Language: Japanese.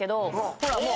ほらっもう。